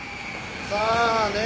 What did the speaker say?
さあね。